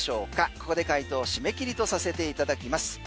ここで回答締め切りとさせていただきます。